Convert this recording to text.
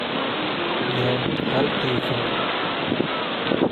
The How'd They Vote?